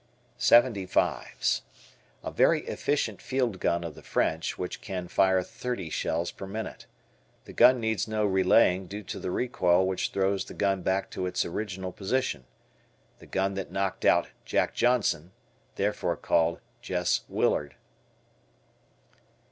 Seventy fives. A very efficient field gun of the French, which can fire thirty shells per minute. The gun needs no relaying due to the recoil which throws the him back to its original position. The gun that knocked out "Jack Johnson," therefore called "Jess Willard."